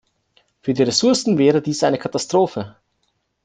Für die Ressourcen wäre dies eine Katastrophe.